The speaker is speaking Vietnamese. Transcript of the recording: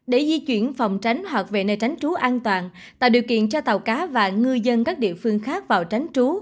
để di chuyển phòng tránh hoặc về nơi tránh trú an toàn tạo điều kiện cho tàu cá và ngư dân các địa phương khác vào tránh trú